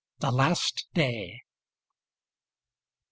THE LAST DAY. Mrs.